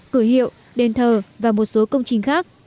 cửa hiệu đền thờ và một số công trình khác